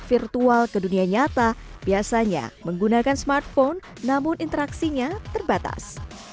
virtual ke dunia nyata biasanya menggunakan smartphone namun interaksinya terbatas